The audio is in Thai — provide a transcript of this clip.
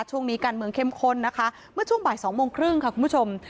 ช่วงนี้การเมืองเข้มข้นนะคะเมื่อช่วงบ่ายสองโมงครึ่งค่ะคุณผู้ชม